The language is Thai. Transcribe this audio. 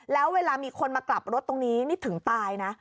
แล้วเวลามีคนมากลับรถตรงนี้นี่ถึงตายนะ